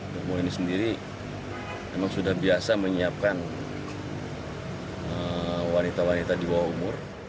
demo ini sendiri memang sudah biasa menyiapkan wanita wanita di bawah umur